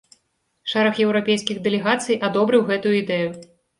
Шэраг еўрапейскіх дэлегацый адобрыў гэтую ідэю.